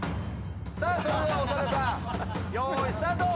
それでは長田さん用意スタート。